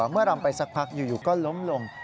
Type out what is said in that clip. เมื่อรำไปสักพักอยู่ก็ล้มลง